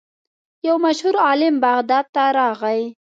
یو مشهور عالم بغداد ته راغی.